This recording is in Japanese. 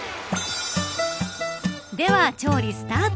では、調理スタート。